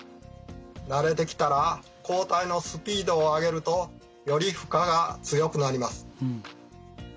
慣れてきたら交代のスピードを上げるとより負荷が強くなります。